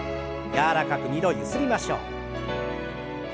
柔らかく２度ゆすりましょう。